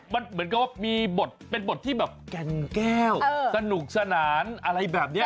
เหมือนก็มีบทเป็นบทที่แบบกันแก้วสนุกสนานอะไรแบบเนี้ย